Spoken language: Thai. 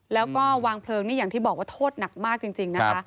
แล้วก็วางเพลิงนี่อย่างที่บอกว่าโทษหนักมากจริงนะคะ